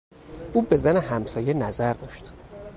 او به زن همسایه نظر داشت.